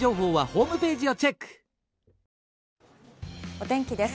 お天気です。